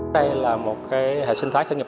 đây là một hệ sinh thái khởi nghiệp